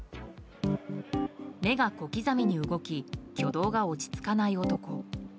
目が小刻みに動き挙動が落ち着かない男。